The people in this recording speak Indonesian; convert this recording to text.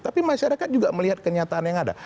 tapi masyarakat juga melihat kenyataan yang ada